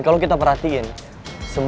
kakak aja gabisa donw ah